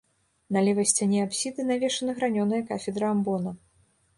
На левай сцяне апсіды навешана гранёная кафедра амбона.